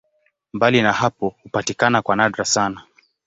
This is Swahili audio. Mbali na hapo hupatikana kwa nadra sana.